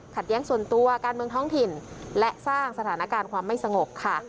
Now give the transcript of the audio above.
แย้งส่วนตัวการเมืองท้องถิ่นและสร้างสถานการณ์ความไม่สงบค่ะ